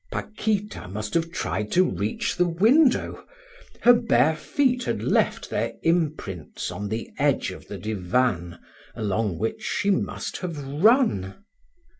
Paquita must have tried to reach the window; her bare feet had left their imprints on the edge of the divan, along which she must have run.